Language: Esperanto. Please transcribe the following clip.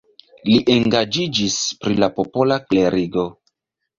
Li engaĝiĝis pri la popola klerigo.